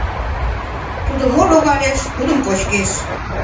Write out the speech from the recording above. — Тудо мо логалеш, тудым кочкеш.